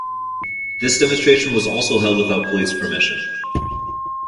This demonstration was also held without police permission.